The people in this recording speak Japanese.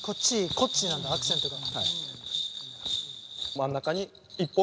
こっちなんだアクセントが。